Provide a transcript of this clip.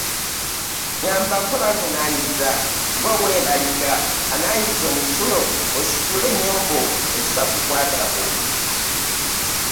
Ngamba ggwe balunaaninze ng’ow’embaliga anaayiza omusulo ositule ennyombo ezitakukwatako.